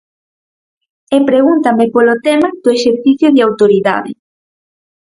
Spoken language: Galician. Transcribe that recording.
E pregúntame polo tema do exercicio de autoridade.